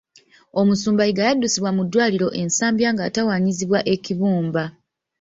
Omusumba Yiga yaddusibwa mu ddwaliro e Nsambya ng'atawaanyizibwa ekibumba.